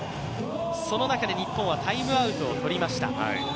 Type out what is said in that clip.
その中で日本はタイムアウトを取りました。